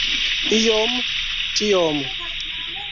Iom tiom